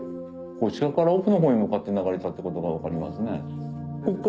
こっち側から奥のほうに向かって流れたってことが分かりますね。